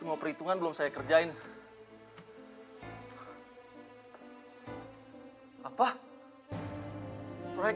mau gue aktif bang